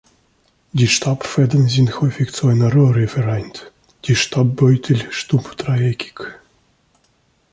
Die Staubfäden sind häufig zu einer Röhre vereint, die Staubbeutel stumpf-dreieckig.